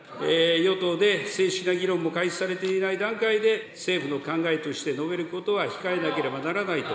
与党で正式の議論も開始されていない段階で政府の考えとして述べることは控えなければならないと。